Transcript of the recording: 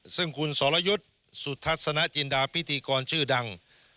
ซึ่งคุณสรยุทธ์สุทัศนจินดาพิธีกรชื่อดัง